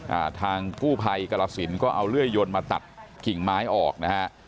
อ่าทางกู้ภัยกรสินก็เอาเลื่อยยนต์มาตัดกิ่งไม้ออกนะฮะ